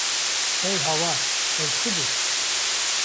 Hey hawar ev çi bû!